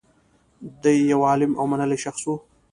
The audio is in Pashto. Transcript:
دی یو عالم او منلی شخص و